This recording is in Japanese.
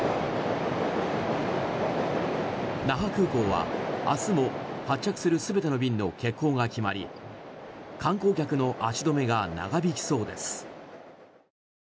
那覇空港は明日も発着する全ての便の欠航が決まり観光客の足止めが長引きそうです。